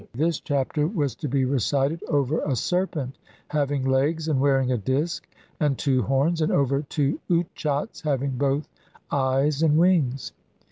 This Chapter was to be recited over a serpent having legs and wearing a disk and two horns, and over two utchats having both eyes and wings.